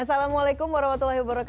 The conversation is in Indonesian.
assalamualaikum wr wb